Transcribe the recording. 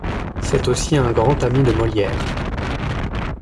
C'est aussi un grand ami de Molière.